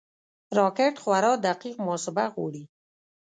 راکټ خورا دقیق محاسبه غواړي